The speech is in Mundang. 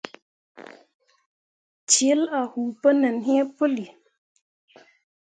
Celle a huu pu nin hi puli.